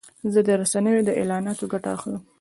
زه د رسنیو د اعلاناتو ګټه اخلم.